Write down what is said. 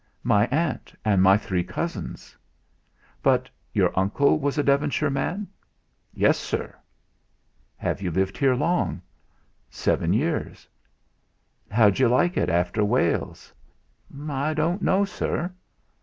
"My aunt, and my three cousins." "But your uncle was a Devonshire man?" "Yes, Sir." "Have you lived here long?" "Seven years." "And how d'you like it after Wales?" "I don't know, sir."